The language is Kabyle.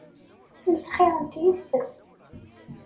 Ssmesxirent yes-m.